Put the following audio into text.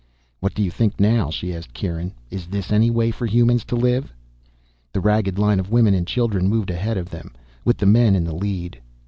"What do you think now?" she asked Kieran. "Is this any way for humans to live?" The ragged line of women and children moved ahead of them, with the men in the lead.